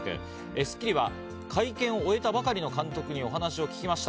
『スッキリ』は会見を終えたばかりの監督にお話を聞きました。